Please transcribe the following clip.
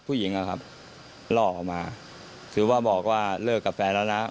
อะครับล่อออกมาคือว่าบอกว่าเลิกกับแฟนแล้วนะ